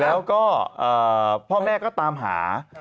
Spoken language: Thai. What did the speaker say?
แล้วก็พ่อแม่ก็ตามหา